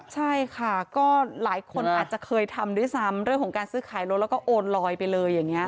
ใช่ค่ะก็หลายคนอาจจะเคยทำด้วยซ้ำเรื่องของการซื้อขายรถแล้วก็โอนลอยไปเลยอย่างนี้